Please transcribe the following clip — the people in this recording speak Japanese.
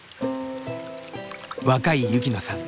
若い雪乃さん